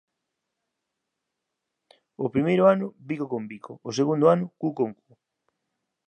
O primeiro ano bico con bico, o segundo ano cu con cu